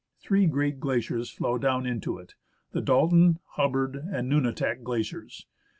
Three great glaciers flow down into it — the Dalton, Hubbard, and Nunatak glaciers.